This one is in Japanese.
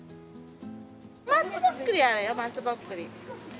松ぼっくりあるよ松ぼっくり。